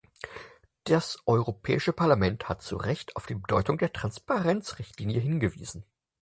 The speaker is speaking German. Das Europäische Parlament hat zu Recht auf die Bedeutung der Transparenzrichtlinie hingewiesen.